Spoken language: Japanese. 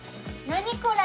何これ？